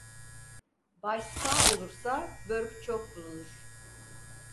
Baş sağ olursa börk çok bulunur.